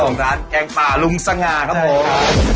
ของร้านแกงป่าลุงสง่าครับผม